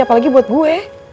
apalagi buat gue